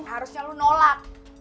harusnya lo nolak